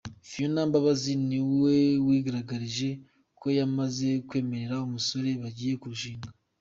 Fionah Mbabazi ni we wigaragarije ko yamaze kwemerera umusore bagiye kurushingana.